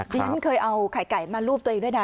ฉันเคยเอาไข่ไก่มารูปตัวเองด้วยนะ